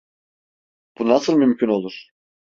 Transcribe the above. Bu nasıl mümkün olur?